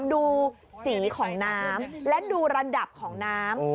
ดูสีของน้ำและดูระดับของน้ำ